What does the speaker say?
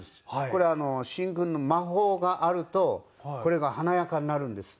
これ審君の魔法があるとこれが華やかになるんです。